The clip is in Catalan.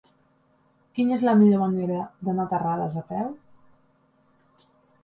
Quina és la millor manera d'anar a Terrades a peu?